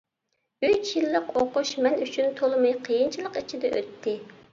ئۈچ يىللىق ئوقۇش مەن ئۈچۈن تولىمۇ قىيىنچىلىق ئىچىدە ئۆتتى.